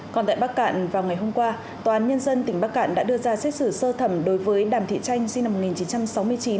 còn tại bắc cạn vào ngày hôm qua tòa án nhân dân tỉnh bắc cạn đã đưa ra xét xử sơ thẩm đối với đàm thị tranh sinh năm một nghìn chín trăm sáu mươi chín